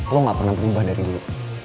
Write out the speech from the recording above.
lo gak pernah berubah dari dulu